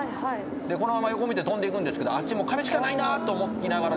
このまま横向いて飛んでいくんですけどあっちもう壁しかないなと思いながらですね